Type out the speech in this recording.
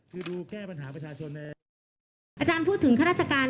ก็หวังว่าพวกเราพร้อมไหมครับทำงานด้วยกัน